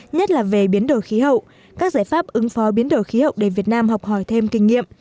nhất là về biến đổi khí hậu các giải pháp ứng phó biến đổi khí hậu để việt nam học hỏi thêm kinh nghiệm